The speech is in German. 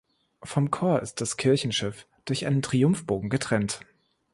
Vom Chor ist das Kirchenschiff durch einen Triumphbogen getrennt.